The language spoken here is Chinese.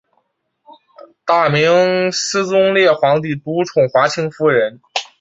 大明思宗烈皇帝独宠华清夫人。